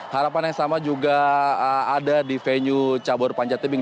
harapan yang sama juga ada di venue cabur panjatebing